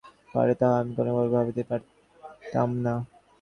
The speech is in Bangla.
মানুষ যে এত কষ্ট সহ্য করিতে পারে, তাহা আমি কোনোকালে ভাবিতেও পারিতাম না।